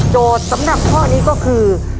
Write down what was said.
โจทย์สำหรับข้อนี้ก็คือ